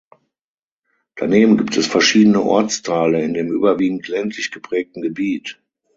Daneben gibt es verschiedene Ortsteile in dem überwiegend ländlich geprägten Gebiet.